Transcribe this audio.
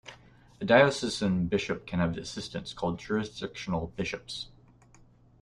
A diocesan bishop can have assistants, called Jurisdictional Bishops.